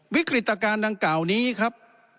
วิกฤตการณ์ดังกล่าวนี้ครับ